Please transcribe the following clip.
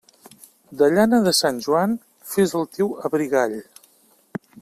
De llana de Sant Joan, fes el teu abrigall.